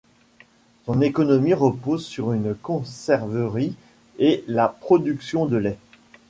Son économie repose sur une conserverie et la production de lait.